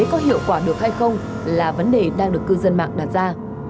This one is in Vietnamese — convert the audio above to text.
có hiệu quả được hay không là vấn đề đang được cư dân mạng đặt ra